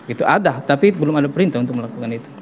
itu ada tapi belum ada perintah untuk melakukan itu